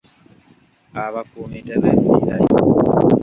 Abakuumi tebeefiirayo.